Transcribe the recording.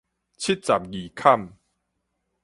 七十二坎